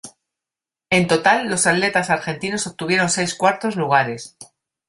En total los atletas argentinos obtuvieron seis cuartos lugares.